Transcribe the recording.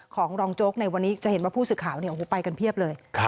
ของรองโจ๊กในวันนี้จะเห็นว่าผู้สื่อข่าวไปกันเพียบเลย